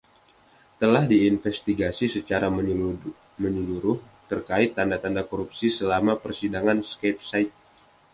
Telah diinvestigasi secara menyeluruh terkait tanda-tanda korupsi selama Persidangan Schabik Shaik.